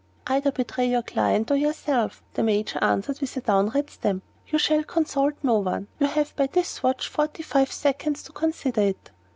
"Either betray your client or yourself," the Major answered, with a downright stamp. "You shall consult no one. You have by this watch forty five seconds to consider it."